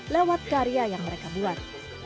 lewat karya yang mereka buat